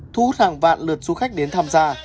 thu hút hàng vạn lượt du khách đến tham gia